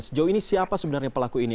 sejauh ini siapa sebenarnya pelaku ini